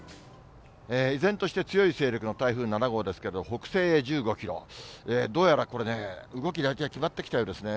依然として強い勢力の台風７号ですけど、北西へ１５キロ、どうやらこれね、動き大体決まってきたようですね。